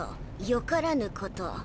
よからぬこと。